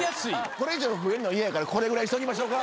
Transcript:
これ以上増えるの嫌やからこれぐらいにしときましょか。